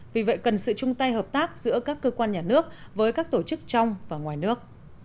vì vậy cần sự chung tay hợp tác giữa các cơ quan nhà nước với các tổ chức trong và ngoài nước